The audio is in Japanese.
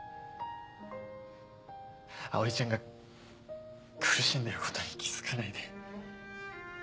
葵ちゃんが苦しんでることに気付かないで。